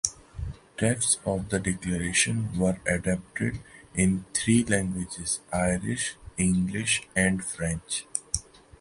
Texts of the declaration were adopted in three languages: Irish, English and French.